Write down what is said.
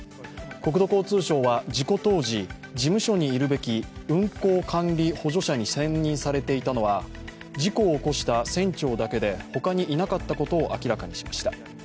国土交通省は事故当時事務所にいるべき運航管理補助者に選任されていたのは事故を起こした船長だけで他にいなかったことを明らかにしました。